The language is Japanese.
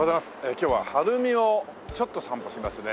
今日は晴海をちょっと散歩しますね。